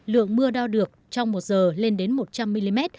lượng mưa đo được trong một giờ lên đến một trăm linh mm